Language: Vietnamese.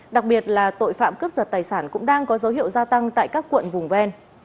đặc biệt là tội phạm cướp giật tài sản cũng đang có dấu hiệu gia tăng tại các quận vùng ven